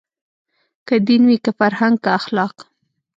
که دین وي که فرهنګ که اخلاق